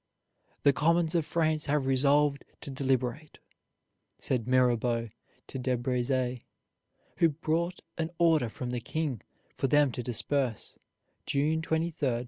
"The Commons of France have resolved to deliberate," said Mirabeau to De Breze, who brought an order from the king for them to disperse, June 23, 1789.